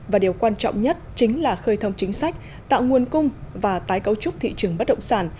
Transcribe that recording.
và điều quan trọng nhất chính là khơi thông chính sách tạo nguồn cung và tái cấu trúc thị trường bất động sản